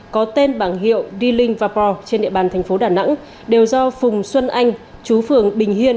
có tên bảng hiệu d link vapor trên địa bàn tp đà nẵng đều do phùng xuân anh chú phường bình hiên